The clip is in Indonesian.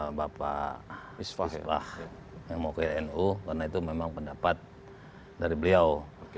terima kasih kepada bapak isfah yang mau ke nu karena itu memang pendapat dari beliau